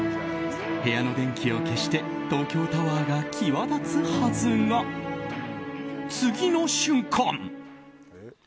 部屋の電気を消して東京タワーが際立つはずが次の瞬間！